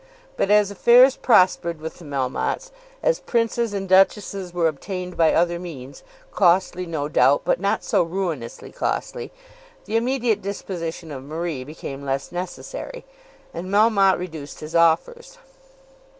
But as affairs prospered with the Melmottes, as princes and duchesses were obtained by other means, costly no doubt, but not so ruinously costly, the immediate disposition of Marie became less necessary, and Melmotte reduced his offers.